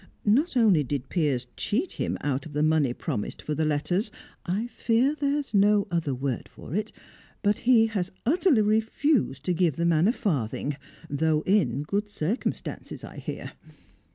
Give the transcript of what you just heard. Not only did Piers cheat him out of the money promised for the letters (I fear there's no other word for it), but he has utterly refused to give the man a farthing though in good circumstances, I hear.